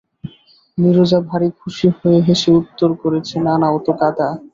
নীরজা ভারি খুশি হয়ে হেসে উত্তর করেছে, না না, ও তো গাঁদা।